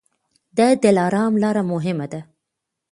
د دلارام لاره مهمه ده